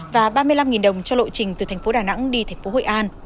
và ba mươi năm đồng cho lộ trình từ tp đà nẵng đi tp hội an